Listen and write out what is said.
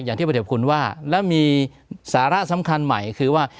อย่างที่ประเทศคุณว่าแล้วมีสาระสำคัญใหม่คือว่า